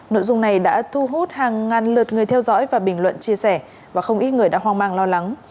nội dung này đã thu hút hàng ngàn lượt người theo dõi và bình luận chia sẻ và không ít người đã hoang mang lo lắng